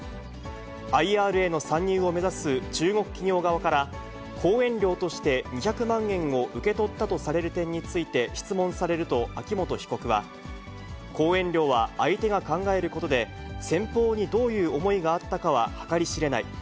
ＩＲへの参入を目指す中国企業側から、講演料として２００万円を受け取ったとされる点について質問されると、秋元被告は、講演料は相手が考えることで、先方にどういう思いがあったかは計り知れない。